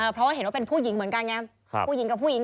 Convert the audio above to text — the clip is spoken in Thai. เพราะว่าเห็นว่าเป็นผู้หญิงเหมือนกันเนี่ย